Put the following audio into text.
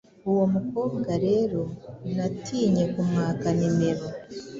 uwo mukobwa rero natinye kumwaka nimero